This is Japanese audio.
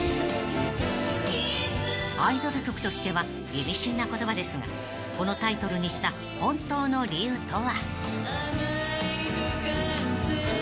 ［アイドル曲としては意味深な言葉ですがこのタイトルにした本当の理由とは？］